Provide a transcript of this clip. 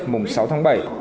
mùng sáu tháng bảy